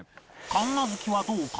神奈月はどうか？